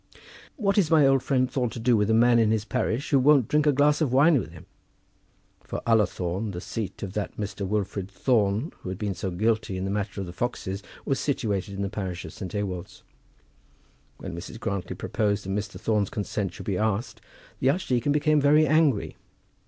"What is my old friend Thorne to do with a man in his parish who won't drink a glass of wine with him?" For Ullathorne, the seat of that Mr. Wilfred Thorne who had been so guilty in the matter of the foxes, was situated in the parish of St. Ewolds. When Mrs. Grantly proposed that Mr. Thorne's consent should be asked, the archdeacon became very angry.